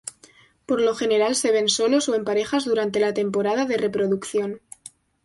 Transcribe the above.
Por lo general, se ven solos o en parejas durante la temporada de reproducción.